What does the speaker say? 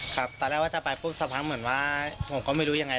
ครับตอนแรกว่าจะไปปุ๊บสักพักเหมือนว่าผมก็ไม่รู้ยังไง